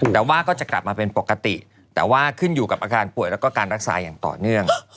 แต่ว่าก็จะกลับมาเป็นปกติแต่ว่าขึ้นอยู่กับอาการป่วยแล้วก็การรักษาอย่างต่อเนื่อง